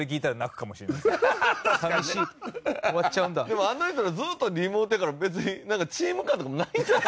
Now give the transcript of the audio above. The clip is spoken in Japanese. でもあの人らずっとリモートやから別にチーム感とかもないんじゃない？